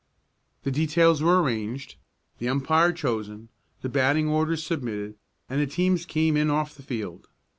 The details were arranged, the umpire chosen, the batting orders submitted, and the teams came in off the field.